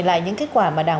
đây xem kết quả luôn